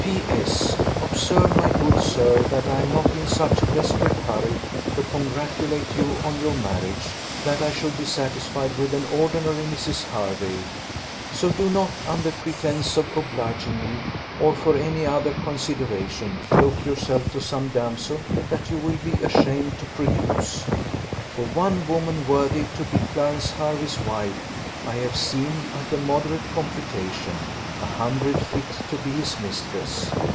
"P.S. Observe, my good sir, that I am not in such a desperate hurry to congratulate you on your marriage, that I should be satisfied with an ordinary Mrs. Hervey: so do not, under pretence of obliging me, or for any other consideration, yoke yourself to some damsel that you will be ashamed to produce. For one woman worthy to be Clarence Hervey's wife, I have seen, at a moderate computation, a hundred fit to be his mistress.